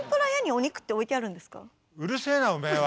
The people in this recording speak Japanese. うるせえなおめえは！